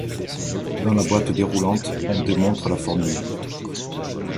Dans la boîte déroulante, on démontre la formule.